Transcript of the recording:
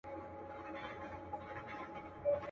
نه مېږیانو زده کړه ژبه د خزدکي.